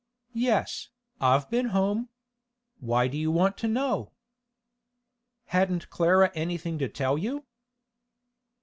'Yes, I've been home. Why do you want to know?' 'Hadn't Clara anything to tell you?